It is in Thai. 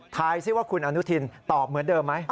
ซิว่าคุณอนุทินตอบเหมือนเดิมไหม